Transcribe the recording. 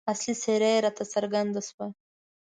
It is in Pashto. اصلي څېره راته څرګنده شوه.